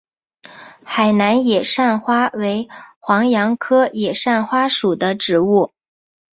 海南野扇花为黄杨科野扇花属的植物。